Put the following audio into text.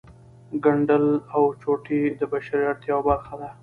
ګنډل او چوټې د بشري اړتیاوو برخه ده